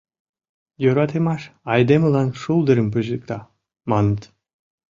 — Йӧратымаш айдемылан шулдырым пижыкта, маныт.